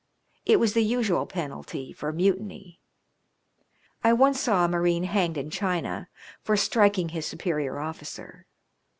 It was the usual penalty for mutiny. I once saw a marine hanged in China for striking his superior officer.